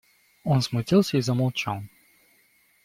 Он смутился и замолчал.